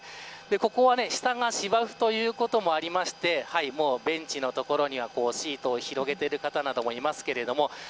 ここは、下が芝生ということもあってベンチの所にはシートを広げている方などもいますけれども。